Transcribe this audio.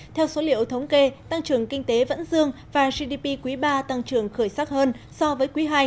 theo số liệu thống kê tăng trưởng kinh tế vẫn dương và gdp quý iii tăng trưởng khởi sắc hơn so với quý ii